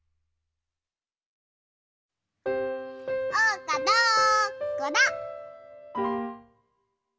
・おうかどこだ？